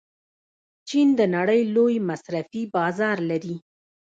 چین د نړۍ لوی مصرفي بازار لري.